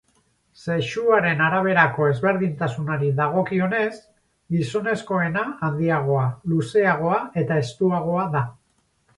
Sexuaren araberako ezberdintasunari dagokionez, gizonezkoena handiagoa, luzeagoa eta estuagoa da.